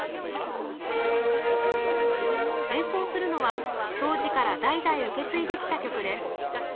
演奏するのは当時から代々受け継いできた曲です。